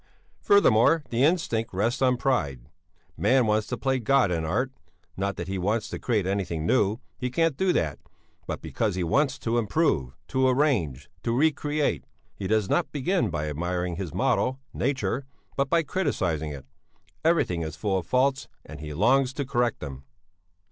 Further more the instinct rests on pride; man wants to play God in art, not that he wants to create anything new he can't do that but because he wants to improve, to arrange, to recreate. He does not begin by admiring his model, Nature, but by criticizing it. Everything is full of faults and he longs to correct them.